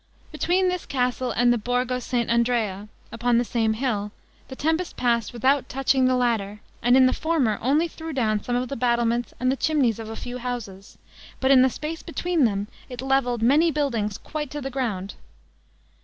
Between this castle and the Borgo St. Andrea, upon the same hill, the tempest passed without touching the latter, and in the former, only threw down some of the battlements and the chimneys of a few houses; but in the space between them, it leveled many buildings quite to the ground.